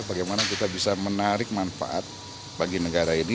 bagaimana kita bisa menarik manfaat bagi negara ini